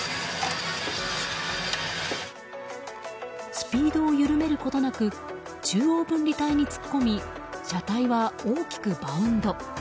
スピードを緩めることなく中央分離帯に突っ込み車体は大きくバウンド。